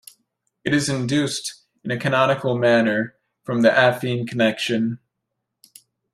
It is induced, in a canonical manner, from the affine connection.